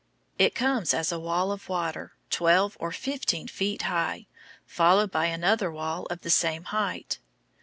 It comes as a wall of water, twelve or fifteen feet high, followed by another wall of the same height.